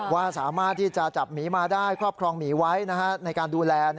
ว่าสามารถที่จะจับหมีมาได้ครอบครองหมีไว้ในการดูแล